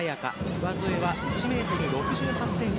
上背は１ｍ６８ｃｍ。